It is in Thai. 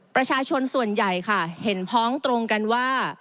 ประชาชนส่วนใหญ่ค่ะเห็นพ้องตรงกันว่า